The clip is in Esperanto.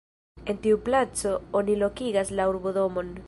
En tiu placo oni lokigas la urbodomon.